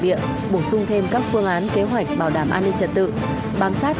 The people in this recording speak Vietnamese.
và dự hội nghị triển khai kế hoạch công tác bảo đảm bảo an ninh trật tự đại lễ về sát hai nghìn một mươi chín